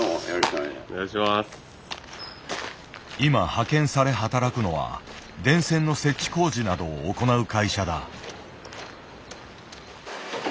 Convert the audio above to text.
今派遣され働くのは電線の設置工事などを行う会社だ。